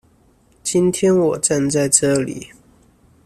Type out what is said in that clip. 今天我站在這裡